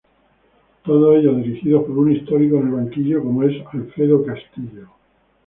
Todos ellos dirigidos por un histórico en el banquillo como es Alfredo Castillo.